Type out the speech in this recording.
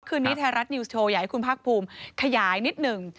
คืนนี้ไทยรัฐนิวส์โชว์อยากให้คุณภาคภูมิขยายนิดหนึ่ง